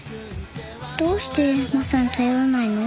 どうしてマサに頼らないの？